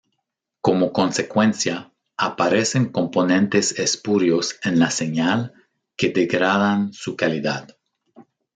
Como consecuencia, aparecen componentes espurios en la señal, que degradan su calidad.